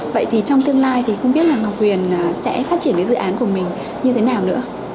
vậy thì trong tương lai thì không biết là ngọc huyền sẽ phát triển cái dự án của mình như thế nào nữa